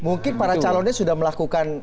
mungkin para calonnya sudah melakukan